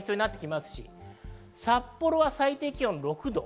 札幌は最低気温６度。